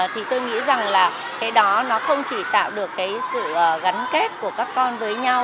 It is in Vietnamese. thì tôi nghĩ rằng là cái đó nó không chỉ tạo được cái sự gắn kết của các con với nhau